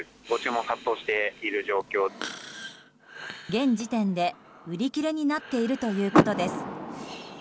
現時点で売り切れになっているということです。